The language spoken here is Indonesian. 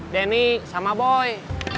denny sama boy